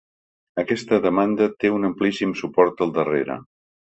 Aquesta demanda té un amplíssim suport al darrere.